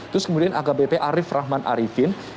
terus kemudian akbp arief rahman arifin